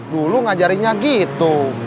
dulu ngajarinya gitu